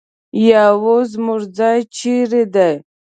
یا اوس زموږ ځای چېرې دی؟